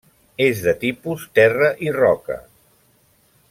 És de tipus terra i roca.